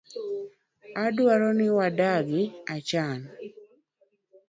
Adwaro ni wadagi achana.